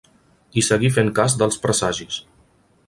I seguir fent cas dels presagis.